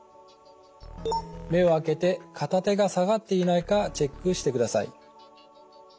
目を開けて片手が下がっていないかチェックしてください。